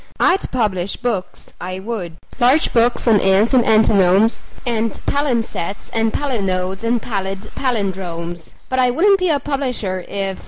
I'd publish books, I would large books on ants and antinomes And palimpsests and palinodes and pallid pallindromes: But I wouldn't be a publisher if